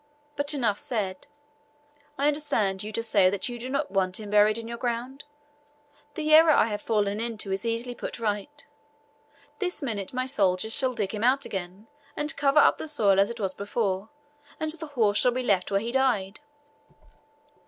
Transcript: But enough said: I understand you to say that you do not want him buried in your ground; the error I have fallen into is easily put right. This minute my soldiers shall dig him out again, and cover up the soil as it was before; and the horse shall be left where he died."